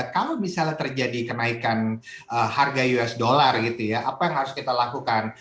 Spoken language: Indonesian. kalau misalnya terjadi kenaikan harga usd gitu ya apa yang harus kita lakukan